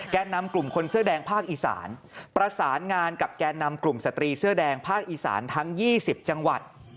นำกลุ่มคนเสื้อแดงภาคอีสานประสานงานกับแก่นำกลุ่มสตรีเสื้อแดงภาคอีสานทั้ง๒๐จังหวัด